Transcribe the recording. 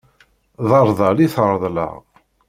D arḍal i t-reḍleɣ.